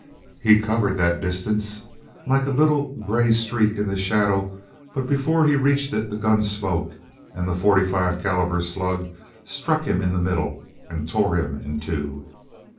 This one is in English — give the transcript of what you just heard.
He covered that distance like a little gray streak in the shadow, but before he reached it the gun spoke, and the forty five caliber slug struck him in the middle and tore him in two.